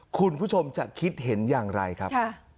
คุณผู้ชมจะคิดเห็นอย่างไรครับ